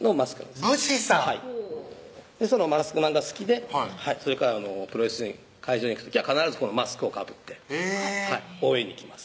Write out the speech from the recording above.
ほうそのマスクマンが好きでそれからプロレスに会場に行く時は必ずこのマスクをかぶって応援に行きます